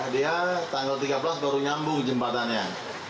dia tanggal tiga belas baru nyambung jembatannya